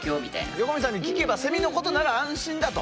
横見さんに聞けばセミのことなら安心だと。